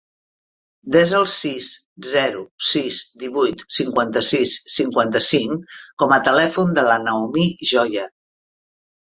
Desa el sis, zero, sis, divuit, cinquanta-sis, cinquanta-cinc com a telèfon de la Naomi Joya.